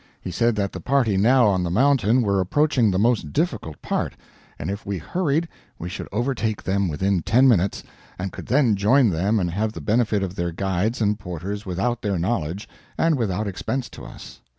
He said that the party now on the mountain were approaching the most difficult part, and if we hurried we should overtake them within ten minutes, and could then join them and have the benefit of their guides and porters without their knowledge, and without expense to us.